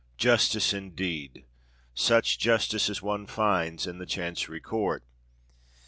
Justice indeed!—such justice as one finds in the Chancery Court!